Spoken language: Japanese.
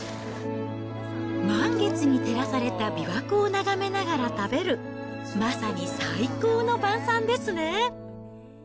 満月に照らされた琵琶湖を眺めながら食べる、まさに最高の晩さんですね。